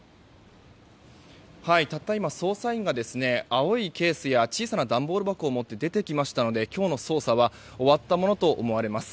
たった今、捜査員が青いケースや小さな段ボール箱を持って出てきましたので今日の捜査は終わったものと思われます。